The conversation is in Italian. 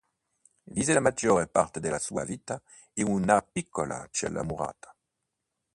Visse la maggior parte della sua vita in una piccola cella murata.